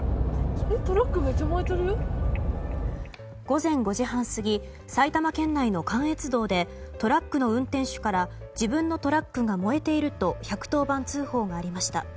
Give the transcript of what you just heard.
午前５時半過ぎ埼玉県内の関越道でトラックの運転手から自分のトラックが燃えていると１１０番通報がありました。